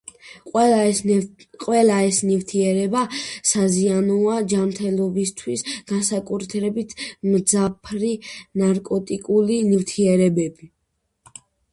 ყველა ეს ნივთიერება საზიანოა ჯანმრთელობისთვის, განსაკუთრებით მძაფრი ნარკოტიკული ნივთიერებები.